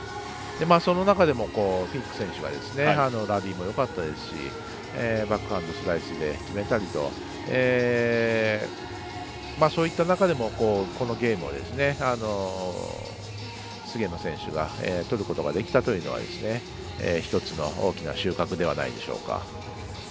その中でもフィンク選手ラリーもよかったですしバックハンドスライスで決めたりとそういった中でもこのゲームを菅野選手が、取ることができたというのは１つの大きな収穫ではないでしょうか。